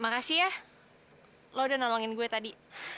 makasih ya lu udah nolongin gua tadi